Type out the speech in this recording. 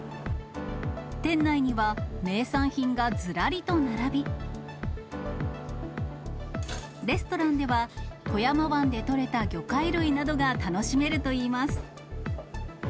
店内には名産品がずらりと並び、レストランでは、富山湾で取れた魚介類などが楽しめるといいます。